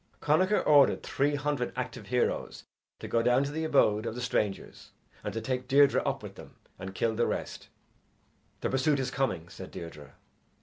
Connachar ordered three hundred active heroes to go down to the abode of the strangers, and to take Deirdre up with them and kill the rest. "The pursuit is coming," said Deirdre.